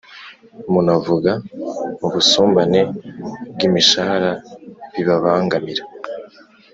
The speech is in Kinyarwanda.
munavuga ubusumbane bw’imishahara bibabangamira